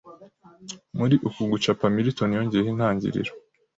Muri uku gucapa Milton yongeyeho intangiriro